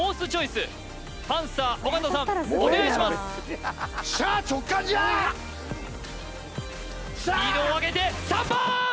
スピードをあげて３番！